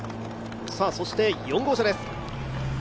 そして４号車です。